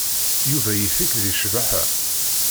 Yuba yif-ik deg ccbaḥa.